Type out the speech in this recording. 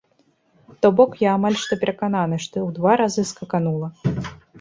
То бок, я амаль што перакананы, што ў два разы скаканула!